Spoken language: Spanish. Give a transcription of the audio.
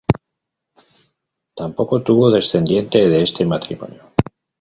Tampoco tuvo descendiente de este matrimonio.